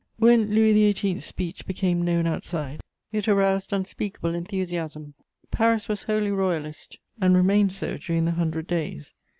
When Louis XVIII.'s speech became known outside, it aroused unspeakable enthusiasm. Paris was wholly Royalist, and remained so during the Hundred Days.